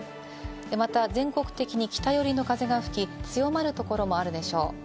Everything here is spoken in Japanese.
また全国的に北よりの風が吹き、強まるところもあるでしょう。